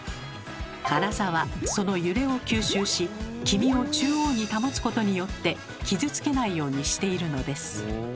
カラザはその揺れを吸収し黄身を中央に保つことによって傷つけないようにしているのです。